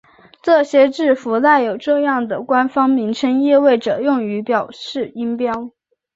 这些字符带有这样的官方名称意味着用于表示音标。